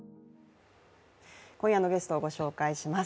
今夜のゲストをご紹介いたします。